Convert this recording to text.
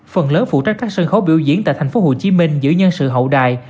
phần lớn phụ trách các sân khấu biểu diễn tại tp hcm giữa nhân sự hậu đài